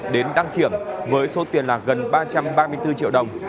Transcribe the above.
đến đăng kiểm với số tiền là gần ba trăm ba mươi bốn triệu đồng